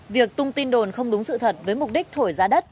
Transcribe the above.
việc tung tin đồn không đúng sự thật với mục đích thổi giá đất